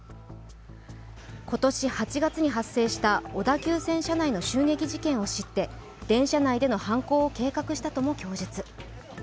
今年８月に発生した小田急線車内の襲撃事件を知って電車内での犯行を計画したとも供述。